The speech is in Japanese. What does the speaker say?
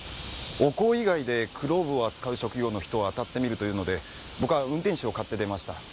お香以外でクローブを扱う職業の人をあたってみるというので僕は運転手をかって出ました。